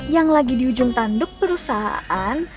yang lagi di ujung tanduk perusahaan